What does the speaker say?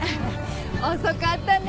遅かったね。